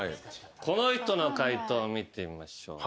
この人の解答見てみましょう。